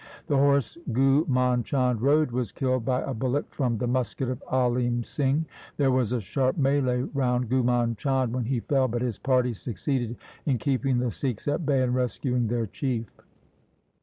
The horse Ghu mand Chand rode was killed by a bullet from the musket of Alim Singh. There was a sharp mtUe round Ghumand Chand when he fell, but his party succeeded in keeping the Sikhs at bay and rescuing their chief.